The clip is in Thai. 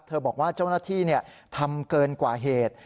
บอกว่าเจ้าหน้าที่ทำเกินกว่าเหตุ